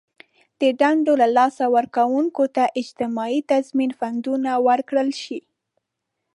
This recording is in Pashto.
د دندو له لاسه ورکوونکو ته اجتماعي تضمین فنډونه ورکړل شي.